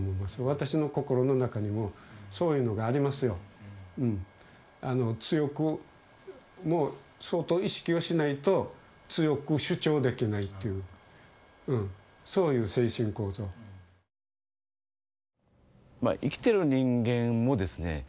私の心の中にもそういうのがありますよ強くもう相当意識をしないと強く主張できないっていうそういう精神構造まあ生きてる人間もですね